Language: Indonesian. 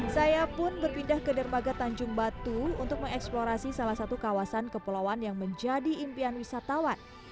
saya pun berpindah ke dermaga tanjung batu untuk mengeksplorasi salah satu kawasan kepulauan yang menjadi impian wisatawan